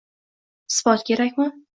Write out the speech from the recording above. Isbot kerakmi?